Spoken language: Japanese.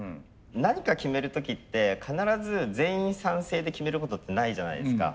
何か決める時って必ず全員賛成で決めることってないじゃないですか。